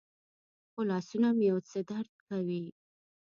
خو لاسونه مې یو څه درد کوي.